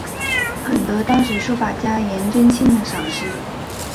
很得当时书法家颜真卿的赏识。